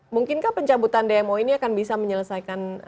mungkinkah pencabutan dmo ini akan bisa menyelesaikan